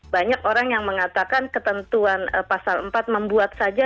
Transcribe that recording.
banyak orang yang mengatakan ketentuan pasal empat membuat saja